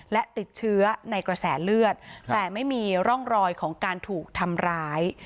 และติดเชื้อในกระแสเลือดแต่ไม่มีร่องรอยของการถูกทำร้าย